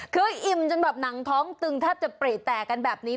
คืออิ่มจนแบบหนังท้องตึงแทบจะปรีแตกกันแบบนี้